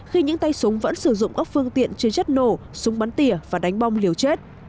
khi những tay súng vẫn sử dụng các phương tiện chứa chất nổ súng bắn tỉa và đánh bom liều chết